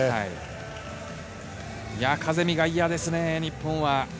カゼミが嫌ですね、日本は。